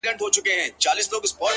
د تل لپاره-